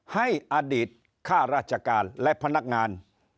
ให้อดีตข้าราชการและพนักงาน